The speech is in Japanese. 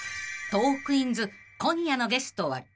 ［『トークィーンズ』今夜のゲストは］